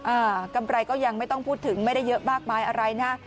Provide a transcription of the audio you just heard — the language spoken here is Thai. กำไรก็ยังไม่ต้องพูดถึงไม่ได้เยอะมากมายอะไรนะ